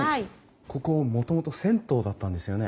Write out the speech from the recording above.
ここもともと銭湯だったんですよね？